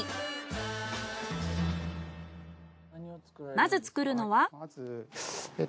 まず作るのは？